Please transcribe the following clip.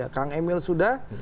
kang emil sudah